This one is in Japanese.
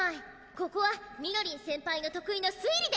ここはみのりん先輩の得意の推理で！